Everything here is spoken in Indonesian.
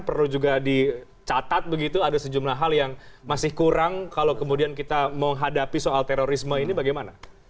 perlu juga dicatat begitu ada sejumlah hal yang masih kurang kalau kemudian kita menghadapi soal terorisme ini bagaimana